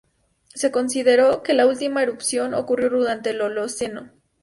Se consideró que la última erupción ocurrió durante el Holoceno.